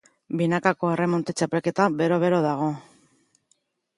Binakako erremonte txapelketa bero-bero dago.